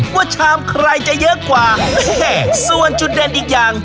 ชามใครจะเยอะกว่าส่วนจุดเด่นอีกอย่าง